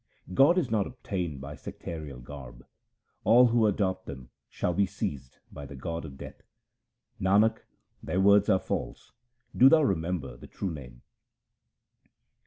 God is not obtained by sectarial garbs ; all who adopt them shall be seized by the god of death. Nanak, their words are false — do thou remember the true Name.